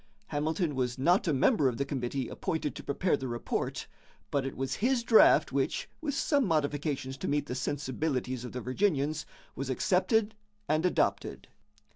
Hamilton was not a member of the committee appointed to prepare the report, but it was his draft which, with some modifications to meet the sensibilities of the Virginians, was accepted and adopted.